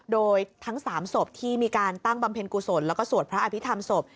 โดยทั้ง๓ศพที่มีการตั้งบำเพ็ญกุศลแล้วก็สวดพระอภิษฐรรมศพ